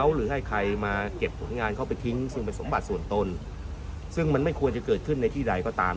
หรือให้ใครมาเก็บผลงานเข้าไปทิ้งซึ่งเป็นสมบัติส่วนตนซึ่งมันไม่ควรจะเกิดขึ้นในที่ใดก็ตาม